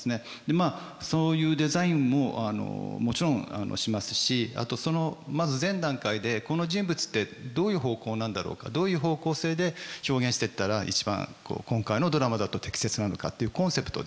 まあそういうデザインももちろんしますしまず前段階でこの人物ってどういう方向なんだろうかどういう方向性で表現してったら一番今回のドラマだと適切なのかっていうコンセプトですよね